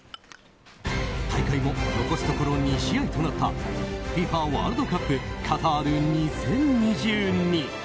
大会も残すところ２試合となったＦＩＦＡワールドカップカタール２０２２。